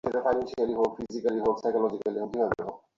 দুই-এক দিনের মধ্যে ট্রাকটি খাল থেকে তুলে সেতুটি মেরামত করা হবে।